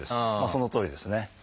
そのとおりですね。